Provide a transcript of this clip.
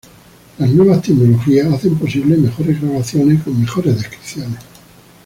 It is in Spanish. Las nuevas tecnologías hacen posibles mejores grabaciones con mejores descripciones.